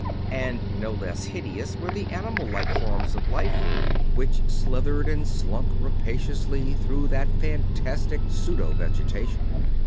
And no less hideous were the animal like forms of life which slithered and slunk rapaciously through that fantastic pseudo vegetation.